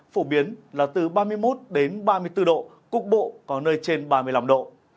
phổ biến là từ ba mươi một đến ba mươi bốn độ cục bộ có nơi trên ba mươi năm độ